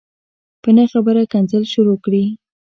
په نه خبره کنځل شروع کړي